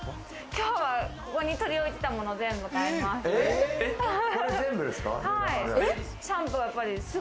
今日は、ここに取り置いてたものを全部買います。